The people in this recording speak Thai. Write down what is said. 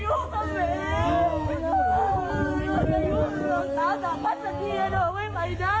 น้องศาสาภัทรเทียโทษให้หน้าอกให้ไหมได้